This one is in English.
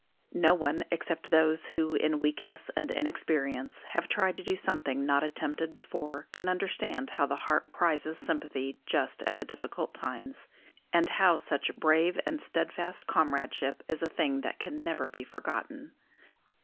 No one except those who, in weakness and inexperience, have tried to do something not attempted before can understand how the heart prizes sympathy just at the difficult times, and how such brave and steadfast comradeship is a thing that can never be forgotten.